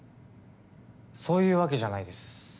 そういうわけじゃないです。